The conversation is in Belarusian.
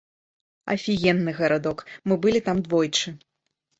Афігенны гарадок, мы былі там двойчы.